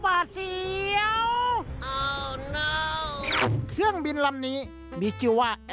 หวาดเสียว